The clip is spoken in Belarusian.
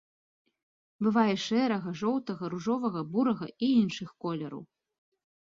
Бывае шэрага, жоўтага, ружовага, бурага і іншых колераў.